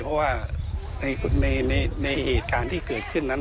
เพราะว่าในเหตุการณ์ที่เกิดขึ้นนั้น